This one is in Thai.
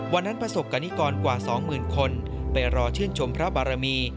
วันนั้นประสบกันนิกรกว่าสองหมื่นคนไปรอเชื่อนชมพระบารมี